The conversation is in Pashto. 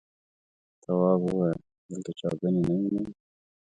تواب وويل: دلته چاودنې نه وینې.